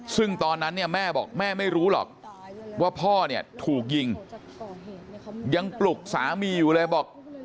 ซึ่งตอนนั้นเนี่ยแม่บอกแม่ไม่รู้หรอกว่าพ่อเนี่ยถูกยิงยังปลุกสามีอยู่เลยบอก